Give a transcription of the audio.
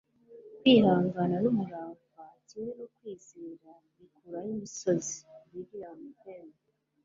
kwihangana n'umurava, kimwe no kwizera, bikuraho imisozi. - william penn